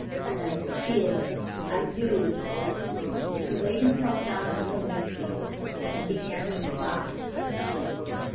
And I feel it, I do!" He laid himself down on the window seat, and began to cry.